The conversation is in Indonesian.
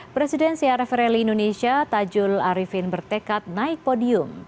presiden crf rally indonesia tajul arifin bertekad naik podium